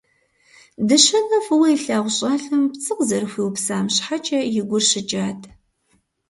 Дыщэнэ фӏыуэ илъагъу щӏалэм пцӏы къызэрыхуиупсам щхьэкӏэ и гур щыкӏат.